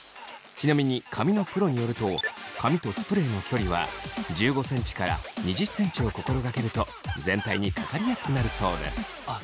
ちなみに髪のプロによると髪とスプレーの距離は１５センチから２０センチを心掛けると全体にかかりやすくなるそうです。